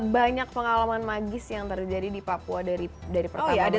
banyak pengalaman magis yang terjadi di papua dari pertama menginjakan kaki